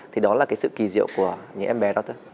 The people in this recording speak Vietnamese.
thì đó là cái sự kỳ diệu của những em bé đó thôi